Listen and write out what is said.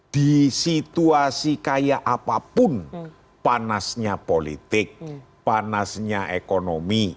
di situasi kayak apapun panasnya politik panasnya ekonomi